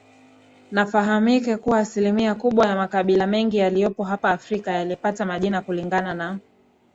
Nafahamike kuwa asilimia kubwa ya makabila mengi yaliyopo hapa Afrika yalipata majina kulingana na